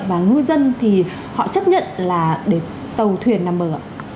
là ngư dân thì họ chấp nhận là để tàu thuyền nằm mở ạ